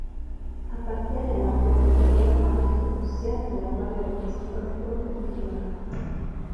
Appartiene alla più ampia guerra austro-prussiana della quale rappresentò il fronte meridionale.